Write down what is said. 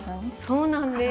そうなんです。